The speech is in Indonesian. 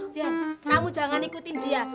jean kamu jangan ikutin dia